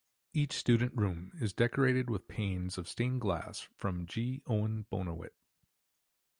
Each student room is decorated with panes of stained glass from G. Owen Bonawit.